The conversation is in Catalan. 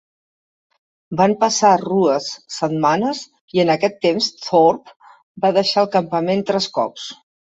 Van passar rues setmanes i en aquest temps Thorpe va deixar el campament tres cops.